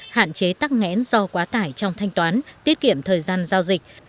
hạn chế tắc nghẽn do quá tải trong thanh toán tiết kiệm thời gian giao dịch